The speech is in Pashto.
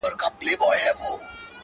چي نه کوي الله، څه به وکي خوار ملا.